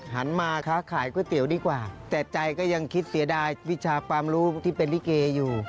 หันมาค้าขายก๋วยเตี๋ยวดีกว่าแต่ใจก็ยังคิดเสียดายวิชาความรู้ที่เป็นลิเกอยู่